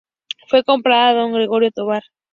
Fue comprada a don Gregorio Tobar.